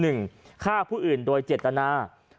คือ๑ฆ่าผู้อื่นโดยเจ็ดตนา